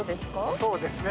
そうですね。